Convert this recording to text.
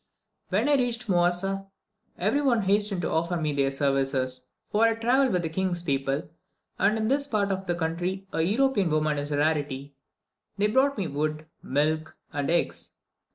When I reached Moasa, every one hastened to offer me their services for I travelled with the king's people, and in this part of the country a European woman is a rarity. They brought me wood, milk, and eggs.